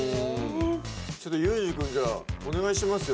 ちょっと裕二君じゃあお願いしますよ。